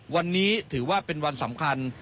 วันนี้ถือว่าเป็นวันสำคัญ